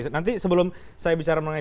nanti sebelum saya bicara mengenai